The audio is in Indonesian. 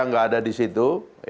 tidak ada di situ